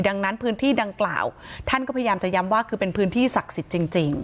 ดังนั้นพื้นที่ดังกล่าวท่านก็พยายามจะย้ำว่าคือเป็นพื้นที่ศักดิ์สิทธิ์จริง